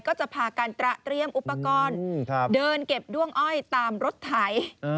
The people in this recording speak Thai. ก็จะพาการตระเตรียมอุปกรณ์เดินเก็บด้วงอ้อยตามรถไถ